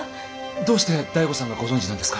どうして醍醐さんがご存じなんですか？